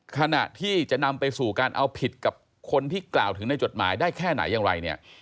ขณะที่จะนำไปสู่การเอาผิดกับคนที่กล่าวถึงในจดหมายได้แค่ไหนอย่างไรเนี่ย